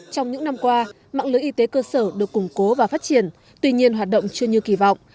trong những năm qua mạng lưới y tế cơ sở được củng cố và phát triển tuy nhiên hoạt động chưa như kỳ vọng